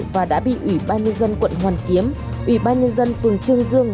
và đã bị ủy ban nhân dân quận hoàn kiếm ủy ban nhân dân phường trương dương